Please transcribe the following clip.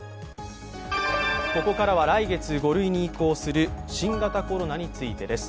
ここからは来月、５類に移行する新型コロナについてです。